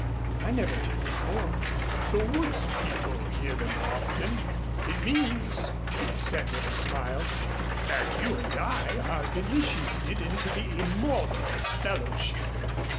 "I never did before." "The woods people hear them often. It means," he said with a smile, "that you and I are initiated into the Immortal Fellowship."